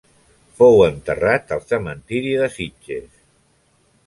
Fou enterrat al cementiri de Sitges.